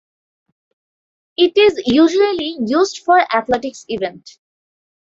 It is usually used for athletics events.